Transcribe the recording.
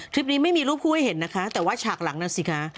คลิปนี้ไม่มีรูปคู่ให้เห็นนะคะแต่ว่าฉากหลังน่ะสิคะ